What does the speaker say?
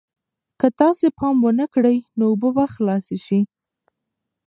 که تاسې پام ونه کړئ نو اوبه به خلاصې شي.